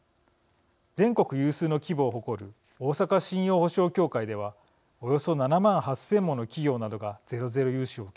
全国有数の規模を誇る大阪信用保証協会ではおよそ７万８，０００もの企業などがゼロゼロ融資を受けました。